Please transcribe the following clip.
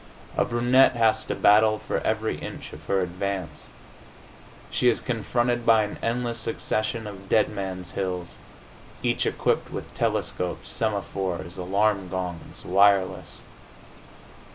A brunette has to battle for every inch of her advance. She is confronted by an endless succession of Dead Man's Hills, each equipped with telescopes, semaphores, alarm gongs, wireless.